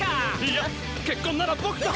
いや結婚なら僕と！